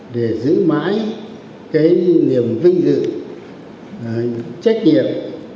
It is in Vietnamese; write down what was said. để giữ mãi cái niềm vinh dự trách nhiệm